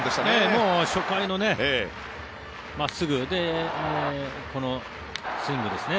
もう初回の真っすぐでこのスイングですね。